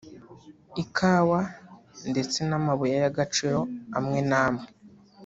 ikawa ndetse n’amabuye y’agaciro amwe n’amwe